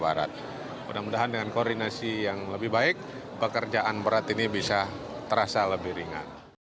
barat mudah mudahan dengan koordinasi yang lebih baik pekerjaan berat ini bisa terasa lebih ringan